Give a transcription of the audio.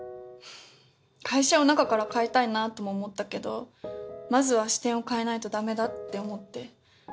会社を中から変えたいなとも思ったけどまずは視点を変えないとだめだって思って。